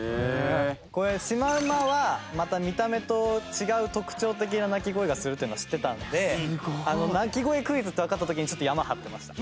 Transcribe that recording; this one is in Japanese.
シマウマはまた見た目と違う特徴的な鳴き声がするというのは知ってたので鳴き声クイズってわかった時に山張ってました。